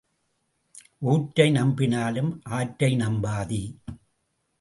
ஊற்றை நம்பினாலும் ஆற்றை நம்பாதே.